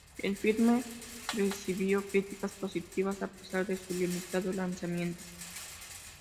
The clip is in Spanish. El filme recibió críticas positivas a pesar de su limitado lanzamiento.